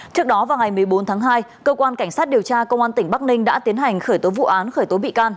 trước đó vào ngày một mươi bốn tháng hai cơ quan cảnh sát điều tra công an tỉnh bắc ninh đã tiến hành khởi tố vụ án khởi tố bị can